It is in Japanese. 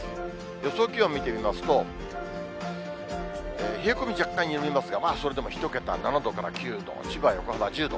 予想気温見てみますと、冷え込み、若干緩みますが、それでも１桁、７度から９度、千葉、横浜１０度。